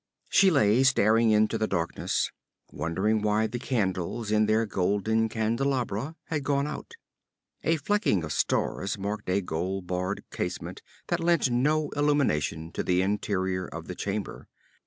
She lay staring into the darkness, wondering why the candles in their golden candelabra had gone out. A flecking of stars marked a gold barred casement that lent no illumination to the interior of the chamber.